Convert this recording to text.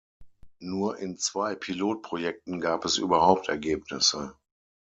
Nur in zwei Pilotprojekten gab es überhaupt Ergebnisse.